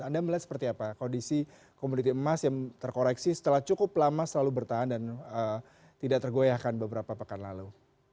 anda melihat seperti apa kondisi komoditi emas yang terkoreksi setelah cukup lama selalu bertahan dan tidak tergoyahkan beberapa pekan lalu